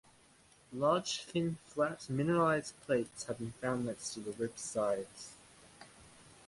Large thin flat mineralized plates have been found next to the ribs' sides.